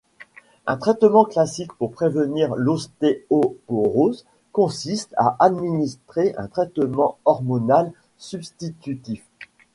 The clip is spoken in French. Un traitement classique pour prévenir l'ostéoporose consiste à administrer un traitement hormonal substitutif.